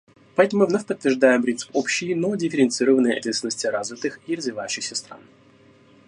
Поэтому мы вновь подтверждаем принцип общей, но дифференцированной ответственности развитых и развивающихся стран.